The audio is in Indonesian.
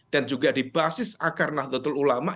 dan juga di basis akar nahdlatul ulama